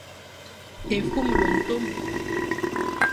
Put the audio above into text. Efumle ntom ;